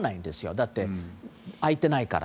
だって、開いていないから。